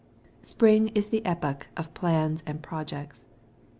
Spring is the time of plans and projects.